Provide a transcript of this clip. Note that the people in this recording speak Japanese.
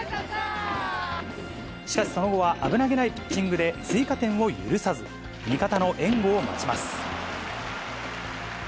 しかし、その後は危なげないピッチングで追加点を許さず、味方の援護を待ちます。